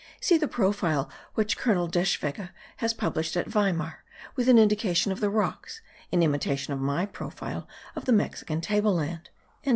See the profile which Colonel d'Eschwege has published at Weimar, with an indication of the rocks, in imitation of my profile of the Mexican table land.)